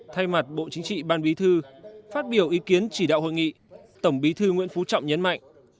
thay mặt bộ chính trị ban bí thư phát biểu ý kiến chỉ đạo hội nghị tổng bí thư nguyễn phú trọng nhấn mạnh